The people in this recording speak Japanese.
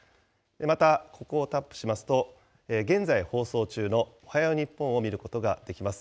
また、ここをタップしますと、現在、放送中のおはよう日本を見ることができます。